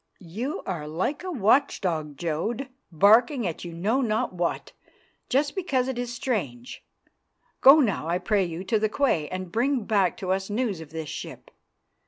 "You are like a watchdog, Jodd, barking at you know not what, just because it is strange. Go now, I pray you, to the quay, and bring back to us news of this ship."